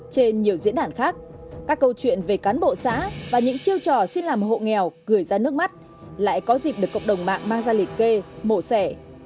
trên nhiều diễn đàn khác các câu chuyện về cán bộ xã và những chiêu trò xin làm hộ nghèo gửi ra nước mắt lại có dịp được cộng đồng mạng mang ra lịch kê mổ sẻ